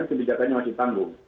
kebijakannya masih tanggung